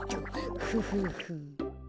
フフフ。